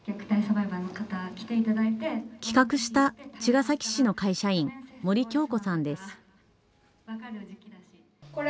企画した茅ヶ崎市の会社員、森今日子さんです。